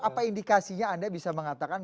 apa indikasinya anda bisa mengatakan